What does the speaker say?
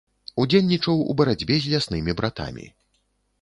Удзельнічаў у барацьбе з ляснымі братамі.